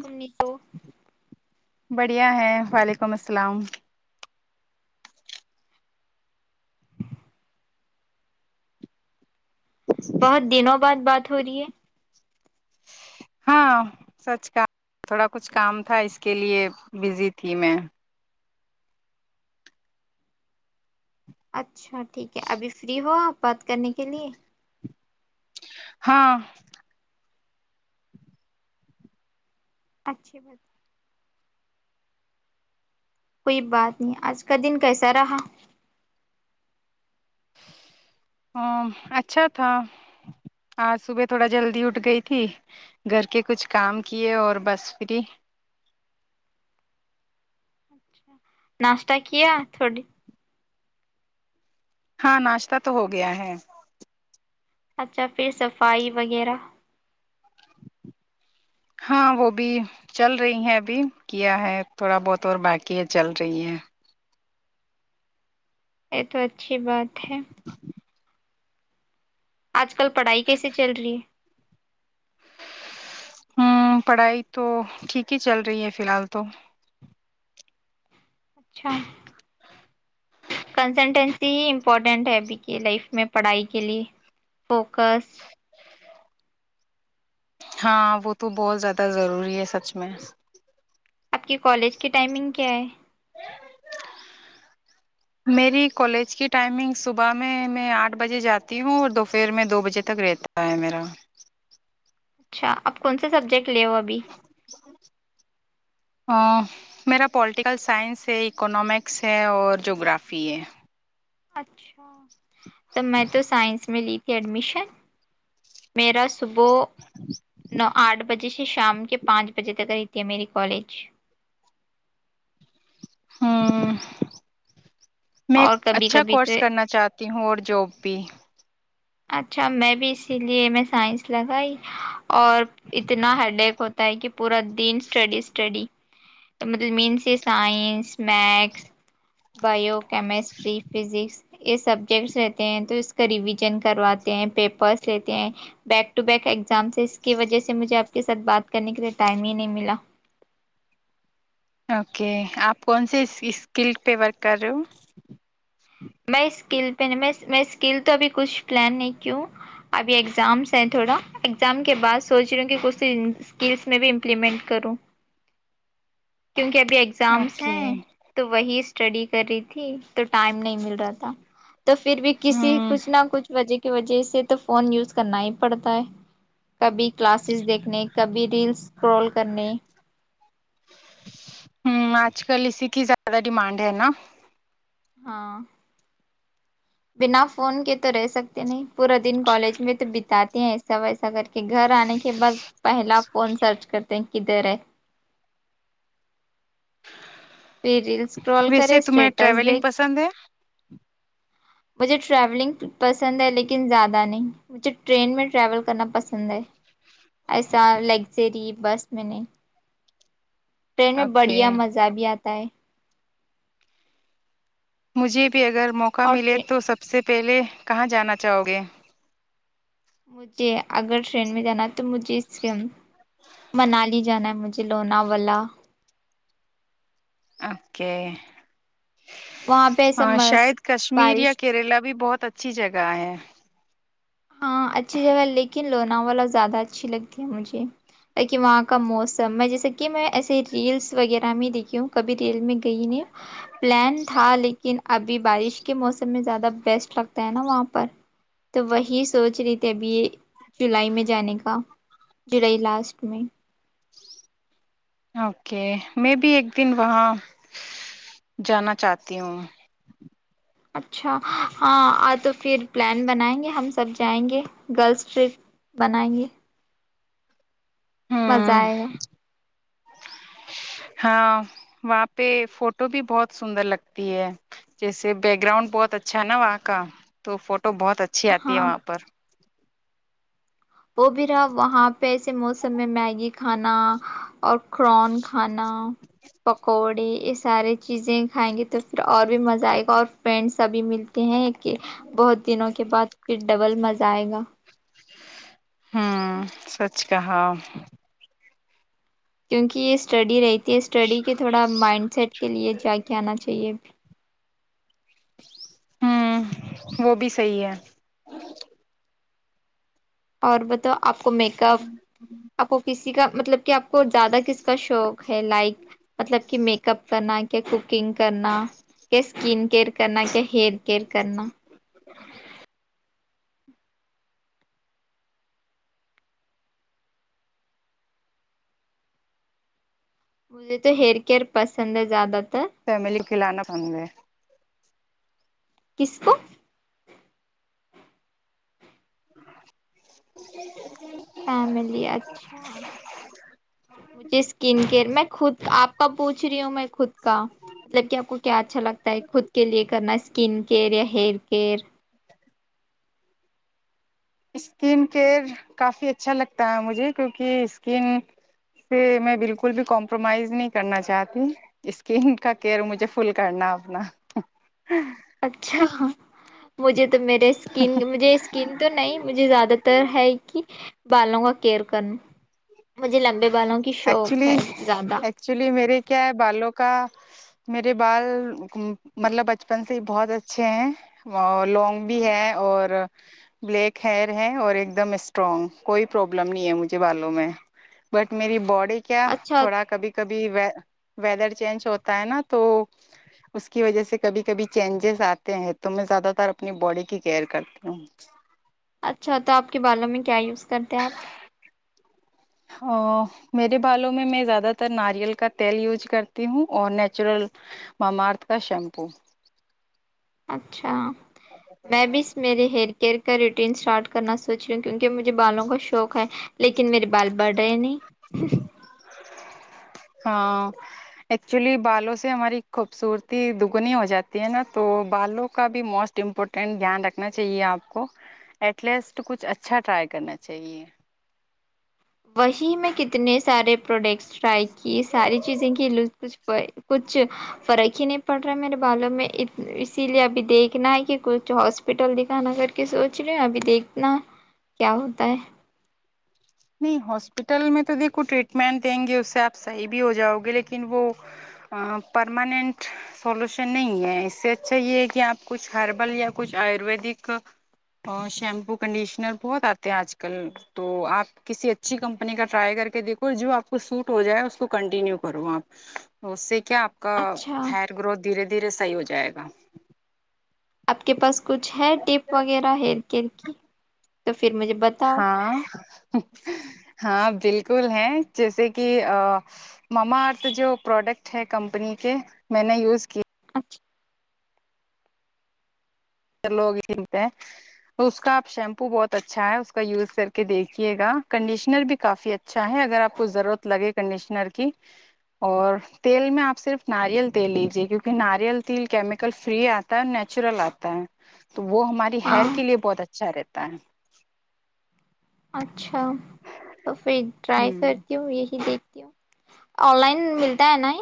تم نے تو بڑھیا ہے وعلیکم السلام بہت دنوں بات ہو رہی ہے ہاں سچ کا تھوڑا کچھ کام تھا اس کے لیے بزی تھی میں اچھا اچھا ٹھیک ہے ابھی فری ہو آپ بات کرنے کے لیے ہاں اچھی بات کوئی بات نہیں آج کا دن کیسا رہا ا اچھا تھا آج صبح تھوڑا جلدی اٹھ گئی تھی گھر کے کچھ کام کیے اور بس فری ناشتہ کیا تھوڑی [inaudible] ہاں ناشتہ تو ہو گیا ہے اچھا پھر صفائی وغیرہ ہاں وہ بھی چل رہی ہیں ابھی کیا ہے تھوڑا بہت اور باقی ہے چل رہی ہے [inaudible] تو اچھی بات ہے آج کل پڑھائی کیسے چل رہی ہے ہ پڑھائی تو ٹھیک ہی چل رہی ہے فی الحال تو اچھا کنسلٹینسی ہی امپورٹینٹ ہے ابھی کی لائف میں پڑھائی کے لیے فوکس ہاں وہ تو بہت زیادہ ضروری ہے سچ میں آپ کی کالج کی ٹائمنگ کیا ہے میری کالج کی ٹائمنگ صبح میں میں آٹھ بجے جاتی ہوں اور دوپہر میں دو بجے تک رہتا ہے میرا اچھا آپ کون سے سبجیکٹ لےو ابھی میرا پولیٹیکل سائنس ہے اکنامکس ہے اور جغرافی ہے اچھا تب میں تو سائنس میں لی ت ایڈمیشن میرا صبح نو آٹھ بجے سے شام کے پانچ بجے تک رہتی ہے میری کالج ہاں میں اور کبھی اچھا کبھی تو کورس کرنا چاہتی ہوں اور جاب بھی [inaudible] اچھا میں بھی اسی لیے میں سائنس لگائی اور اتنا ہیڈیک ہوتا ہے کہ پورا دن اسٹڈی اسٹڈی مطلب مین سے science maths bio chemistry physics یہ سبجیکٹس رہتے ہیں تو اس کا ریوزن کرواتے ہیں پیپرس لیتے ہیں بیک ٹو بیک ایگزامس اس کی وجہ سے مجھے آپ کے ساتھ بات کرنے کے لیے ٹائم ہی نہیں ملا اوکے آپ کون سے اس اسکل پہ ورک کر رہے ہو میں اسکل پہ نہیں میں اسکل تو ابھی کچھ پلان نہیں کیوں ابھی ایگزامس ہیں تھوڑا ایگزام کے بعد سوچ رہی ہوں کہ کچھ اسکلس میں بھی امپلیمنٹ کروں [unintelligible] ابھی ایگزامس اوکے ہیں تو وہی اسٹڈی کری تھی تو ٹائم نہیں مل رہا تھا تو پھر بھی کسی ہ کچھ نہ کچھ وجہ کی وجہ سے تو فون یوز کرنا ہی پڑتا ہے کبھی کلاسز دیکھنے کبھی ریلس اسکرول کرنے ہ آج کل اسی کی زیادہ ڈیمانڈ ہے نا ہاں بنا فون کے تو رہ سکتے نہیں پورا دن کالج میں تو بتاتے ہیں ایسا ویسا کر کے کہ گھر آنے کے بعد پہلا فون سرچ کرتے ہیں کدھر ہے پھر ریل اسکرول کرے ویسے تمہیں اسٹیٹس ٹریولنگ دیکھ پسند ہے مجھے ٹریولنگ پسند ہے لیکن زیادہ نہیں مجھے ٹرین میں ٹریول کرنا پسند ہے ایسا لگزری بس میں نہیں ٹرین میں اوکے بڑھیا مزہ بھی آتا [unintelligible] مجھے بھی اگر موقع اور ملے تو سب سے پہلے کہاں جانا چاہو گے مجھے اگر ٹرین میں جانا ہے تو مجھے اس منالی جانا ہے مجھے لوناولا اوکے وہاں پہ ایسا ہاں مس شاید کشمیر بارش یا کیرلا بھی بہت بہت اچھی جگہ ہے ہاں اچھی جگہ لیکن لوناوا زیادہ اچھی لگتی ہے مجھے تاکہ وہاں کا موسم میں جیسا کہ میں ایے ریلس وغیرہ میں دیکھی ہوں کبھی ریل میں گئی نہیں ہوں پلان تھا لیکن ابھی بارش کے موسم میں زیادہ بیسٹ لگتا ہے نا وہاں پر تو وہیں یہ سوچ رہی تھی ابھی یہ جولائی میں جانے کا جولائی لاسٹ میں اوکے میں بھی ایک دن وہاں جانا چاہتی ہوں اچھا ہاں تو پھر پلان بنائیں گے ہم سب جائیں گے گرلس ٹرپ بنائیں گے مزہ ہوں آئے گا ہاں وہاں پہ فوٹو بھی بہت سندر لگتی ہے جیسے بیک گراؤنڈ بہت اچھا ہے نا وہاں کا تو فوٹو بہت اچھا اچھی آتی ہے ہاں وہاں پر وہ بھی رہا وہاں پہ ایسے موسم میں میگی کھانا اور قرن کھانا پکوڑے اس سارے چیزیں کھائیں گے تو پھر اور بھی مزہ آئے گا اور فرینڈ سبھی ملتے ہیں کہ بہت دنوں کے بعد پھر ڈبل مزہ آئے گا ہوں سچک ہا کیونکہ اس اسٹڈی رہتی ہے اسٹڈی کے تھوڑا مائنڈ سیٹ کے لیے جا کے آنا چاہیے ہوں وہ بھی صحی ہے اور بتا آپ کو میک اپ آپ کو کس کا مطلب کہ آپ کو زیادہ کس کا شوق ہے لائک مطلب کہ میک اپ کرنا کیاک نگ کرنا اسکن کیئر کرنا کیا ہیئر کیئر کرنا ہ [unintelligible] مجھے تو ہیئر کیئر پسند ہے زیادہ تر [unintelligible] [unintelligible] [inaudible] [unintelligible] [unintelligible] اچھا ہاں مجھے مجھے سیکنڈ تو نہیں مجھے زیادہ تر بالوں کا کیئر مجھے لمبے بالوں کی شوق ایکچولی ہے زیادہ ایکچولی میرے کیا ہے بالوں کا میرے بال بچپن سے بہت اچھا ہے لاونگ بھی ہے بلیک خیر ہے اور ایک دم سٹرانگ کوئی پرابلم نہیں ہے مجھے بالوں میں بٹ میری باڈی کیا اچھا تھوڑا کبھی کبھی ویدر چینج ہوتا ہے نا تو اس کی وجہ سے کبھی کبھی چینجز اتے ہیں تو میں زیادہ تر اپنی باڈی کی کیئر کرتی ہوں اچھا تو اپ کے بالوں میں کیا یوز کرتے ہیں اپ ا میرے بالوں میں میں زیادہ تر ناریل کا تیل یوز کرتی ہوں اور نیچرل معمارت کا شیمپو اچھا میں بھی میری ہیئر کیئر کریٹین سٹارٹ کرنا سوچ رہی ہوں کیونکہ مجھے بالوں کا شوق ہے لیکن میرے بال بر رہے نہیں ا ایکچولی بالوں سے ہماری خوبصورتی دگنی ہو جاتی ہے نا تو بالوں کا بھی موسٹ امپورٹنٹ دھیان رکھنا چاہیے اپ کو ایٹ لیسٹ کچھ اچھا ٹرائی کرنا چاہیے وشی میں کتنے سارے پروڈکٹس ٹائپ کی ساری چیزیں کی [unintelligible] کچھ فرق ہی نہیں پڑتا پڑھ رہا ہے میرے بالوں میں اسی لیے ابھی دیکھنا ہے کہ کچھ ہاسپٹل دکھانا کٹ کے سوچ رہے ہیں ابھی دیکھنا کیا ہوتا ہے نہیں ہاسپٹل میں تو دیکھو ٹریٹمنٹ دیں گے اس سے اپ صحیح بھی ہو جاؤ گے لیکن وہ پرماننٹ سولوشن نہیں ہے اس سے اچھا یہ ہے کہ اپ کچھ ہربل یا کچھ ایوری کو شیمپو کنڈیشنر بہت اتے ہیں اج کل تو اپ کسی اچھی کمپنی کا ٹرائی کر کے دیکھو جو اپ کو سوٹ ہو جائے اس کو کنٹینیو کرو اپ اس اپ کا اچھا خیر گرو دھیرے دھیرے صحیح ہو جائے گا اپ کے پاس کچھ ہے ٹپ وغیرہ ہیئر کل کی تو پھر مجھے بتاؤ ہاں ہاں بالکل ہیں جیسے کہ مما اور تو جو پروڈکٹ ہے کمپنی کے میں نے یوز کی [unintelligible] لوگ اس کا اپ شیمپو بہت اچھا ہے اس کا یوز کر کے دیکھیے گا کنڈیشنر بھی کافی اچھا ہے اگر اپ کو ضرورت لگے کنڈیشنر کی اور تیل میں اپ صرف ناریل تیل لیجیے کیونکہ ناریل تیل کیمیکل فری اتا ہے نیچرل اتا ہے تو وہ ہماری ہاں ہیئر کے لیے بہت اچھے اچھا رہتا ہے اچھا اچھا تو پھر ٹرائی ہ کرتی ہوں یہی دیکھتی آن لائن ملتا ہے ن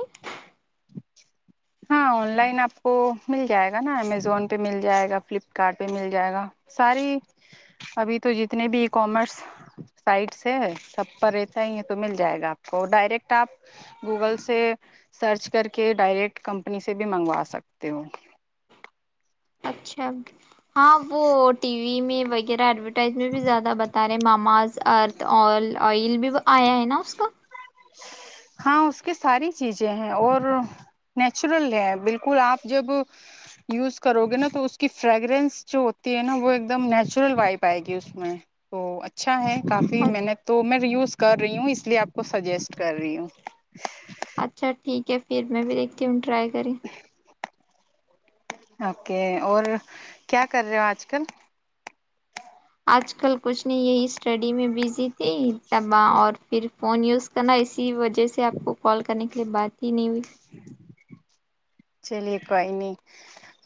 ہاں آن لائن آپ کو مل جائے گا نا امیزون پہ مل جائے گا فلپکارٹ پہ مل جائے گا ساری ابھی تو جتنے بھی ای کامرس سائٹس ہے سب پر رہس ہی یہ تو مل جائے گا آپ کو ڈائریکٹ آپ گوگل سے سرچ کر کے ڈائریکٹ کمپنی سے بھی منگوا سکتے ہو اچھا ہاں وہ ٹی وی میں ایڈورٹائز میں بھی زیادہ بتا سارے ماماز ارتھ ا آئل بھی آیا ہے نا اس کا ہاں اس کے ساری چیزیں ہیں اور نیچرل ہے بالکل آپ جب یوز کرو گے نا تو اس کی فریگررینس جو ہوتی ہے نا وہ ایک دم نیچرل وائپ آئے گی اس میں تو اچھا ہے کافی میں نے تو میں ریوز کر رہی ہوں اس لیے آپ کو سجیسٹ کر رہی ہوں اچھا ٹھیک ہے پھر میں بھی دیکتی ہوں ٹائی کرریں اوکے اور کیا کر رہے ہو آج کل آج کل کچھ نہیں یہی اسٹڈی میں بزی تھی تب اور پھر فون یوز کرنا اسی وجہ سے آپ کو کال کرنے کے لیے بات تین بھی چلیے کوئی نہیں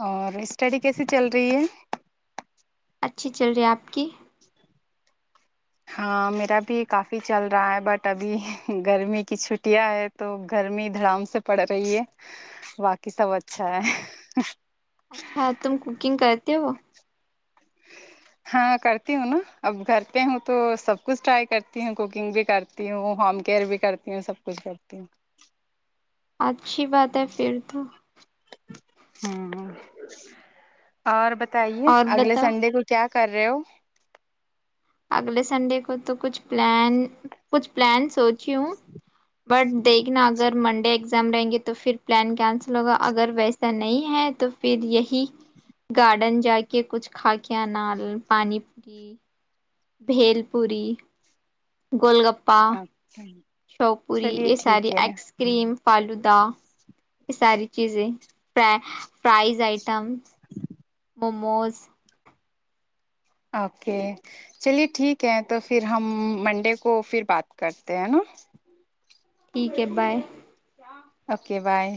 اور اسٹڈی کیسی چل رہی ہے اچھی چل رہی ہے آپ کی ہاں میرا بھی کافی چل رہا ہے بٹ ابھی گرمی کی چھٹیاں ہے تو گرمی دڑام سے پڑ رہی ہے باقی سب اچھا ہے اچھا تم کوکنگ کر د وہ ہاں کرتی ہوں نا اب کرھرتے ہوں تو سب کچھ ٹرائی کرتی ہوں کوکنگ بھی کرتی ہوں ہوم کیئر بھی کرتی ہوں سب کچھ کرتی ہوں اچ اچھی بات ہے پھر تو اور بتاؤ بتائیے اور اگلے بتاؤ سنڈے کو کیا کرو اگلے سنڈے کو تو کچھ پلان کچھ پلانس کیوں بٹ دیکھنا اگر منڈے ایگزام رہیں گے تو پھر پلان کینسل ہوگا اگر ویسا نہیں ہے تو پھر یہی گارڈن جا کے کچھ کھا کے نال پانی پوری بھیل پوری گول گپا [inaudible] شو پوری چلیے یہ ساری ٹھیک ہے ایس کریم فالدا ساری چیزیں پ پرائز ائٹم موموز اوکے چلیے ٹھیک ہے تو پھر ہم منڈے کو پھر بات کرتے ہیں نا ٹھیک ہے بائے اوکے بائے